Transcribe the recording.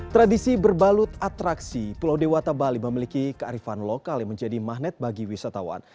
tradisi berbalut atraksi pulau dewata bali memiliki kearifan lokal yang menjadi magnet bagi wisatawan